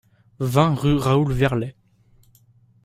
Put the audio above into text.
vingt rue Raoul Verlet